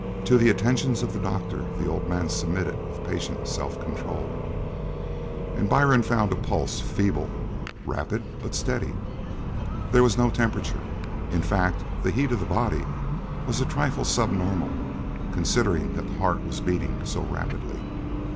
To the attentions of the doctor the old man submitted with patient self control, and Byrne found a pulse feeble, rapid, but steady. There was no temperature. In fact, the heat of the body was a trifle sub normal, considering that the heart was beating so rapidly.